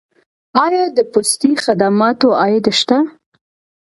آیا د پستي خدماتو عاید شته؟